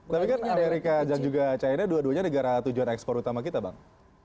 tapi kan amerika dan juga china dua duanya negara tujuan ekspor utama kita bang